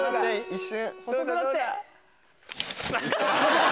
一瞬。